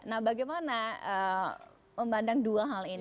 nah bagaimana memandang dua hal ini